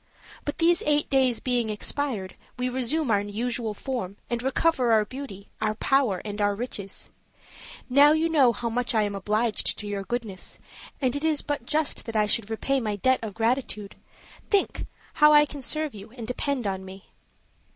But these eight days being expired, we resume our usual form and recover our beauty, our power, and our riches. Now you know how much I am obliged to your goodness, and it is but just that I should repay my debt of gratitude; think how I can serve you and depend on me."